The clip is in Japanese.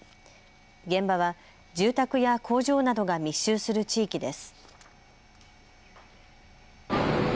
現場は住宅や工場などが密集する地域です。